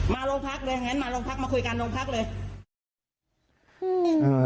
มาโรงพักเลยอย่างนั้นมาโรงพักมาคุยกันโรงพักเลย